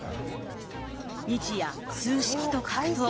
日夜数式と格闘。